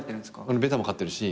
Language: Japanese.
俺ベタも飼ってるし。